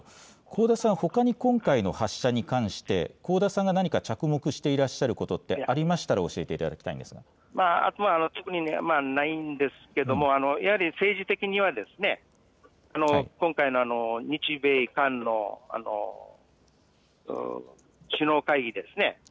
香田さん、ほかに今回の発射に関して、香田さんが何か着目していらっしゃることってありましたら教えて特にないんですけども、やはり政治的には今回の日米韓の首脳会議ですね。